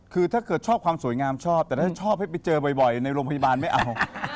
คือถ้าเกิดชอบความสวยงามชอบแต่ถ้าชอบให้ไปเจอบ่อยในโรงพยาบาลไม่เอา